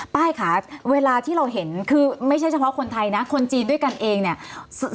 ป้ายค่ะเวลาที่เราเห็นคือไม่ใช่เฉพาะคนไทยนะคนจีนด้วยกันเองเนี่ย